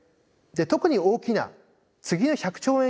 特に大きな次の１００兆円